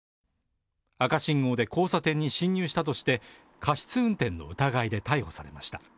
赤信号で交差点に進入したとして過失運転の疑いで逮捕されました。